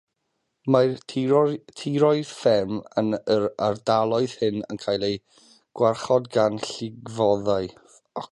Mae'r tiroedd fferm yn yr ardaloedd hyn yn cael eu gwarchod gan lifgloddiau.